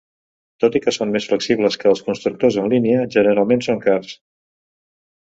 Tot i que són més flexibles que els constructors en línia, generalment són cars.